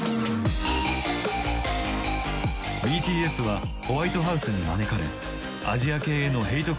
ＢＴＳはホワイトハウスに招かれアジア系へのヘイト